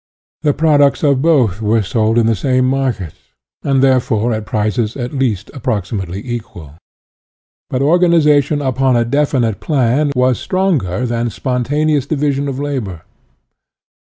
The products of both were sold in the same market, and, therefore, at prices at least approximately equal. But organization upon a definite plan was stronger than spontaneous division of labor.